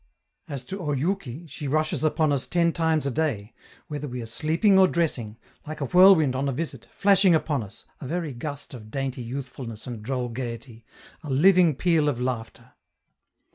As to Oyouki, she rushes upon us ten times a day whether we are sleeping or dressing like a whirlwind on a visit, flashing upon us, a very gust of dainty youthfulness and droll gayety a living peal of laughter.